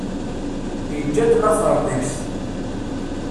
Yeǧǧa-d later deg-s.